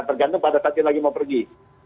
tergantung pada saat yang lagi mau pergi